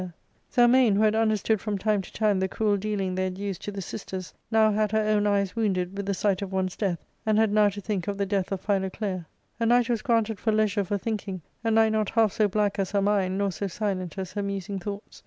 Zelmane, who had understood from time to time the cruel dealing they had used to the sisters, now had her own eyes wounded with the sight of one's death, and had now to think of the death of Philoclea. A night was granted for leisure for thinking, a night not half so black as her mind, nor so silent as her musing thoughts.